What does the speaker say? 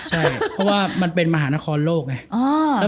ใช่เพราะว่ามันเป็นมหานขณะห้อนโลกไง